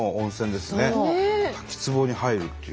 滝つぼに入るっていう。